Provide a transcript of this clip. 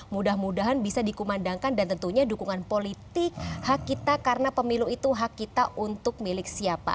mudah mudahan bisa dikumandangkan dan tentunya dukungan politik hak kita karena pemilu itu hak kita untuk milik siapa